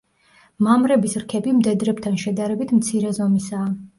მამრების რქები მდედრებთან შედარებით მცირე ზომისაა.